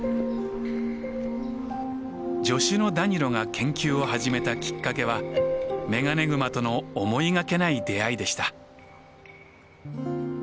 助手のダニロが研究を始めたきっかけはメガネグマとの思いがけない出会いでした。